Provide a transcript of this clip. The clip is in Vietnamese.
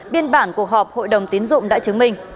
biên bản cuộc họp hội đồng tiến dụng đã chứng minh